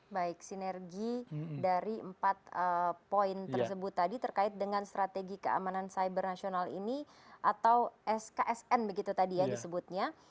baik sinergi dari empat poin tersebut tadi terkait dengan strategi keamanan cyber nasional ini atau sksn begitu tadi ya disebutnya